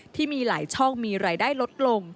ที่มีหลายช่องมีรายได้ลดลง